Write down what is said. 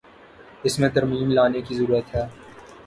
اس میں ترمیم لانے کی ضرورت ہے۔